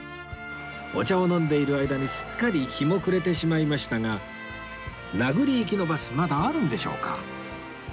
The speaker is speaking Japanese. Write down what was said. お茶を飲んでいる間にすっかり日も暮れてしまいましたが名栗行きのバスまだあるんでしょうか？